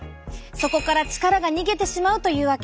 そこから力が逃げてしまうというわけ。